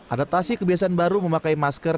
adaptasi kebiasaan baru memakai masker